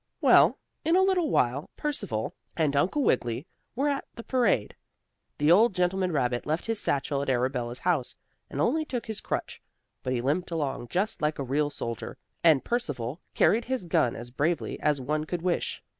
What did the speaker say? Well, in a little while Percival and Uncle Wiggily were at the parade. The old gentleman rabbit left his satchel at Arabella's house, and only took his crutch. But he limped along just like a real soldier, and Percival carried his gun as bravely as one could wish.